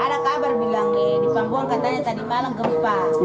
ada kabar bilang di pambuang katanya tadi malam gempa